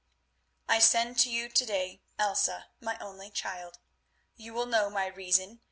"I send to you to day Elsa, my only child. You will know my reason.